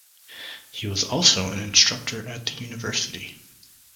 He was also an instructor at the university.